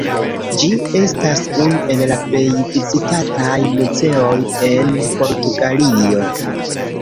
Ĝi estas unu el la plej vizitataj muzeoj en Portugalio.